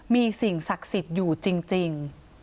มีสิ่งศักดิ์สิทธิ์อยู่จริง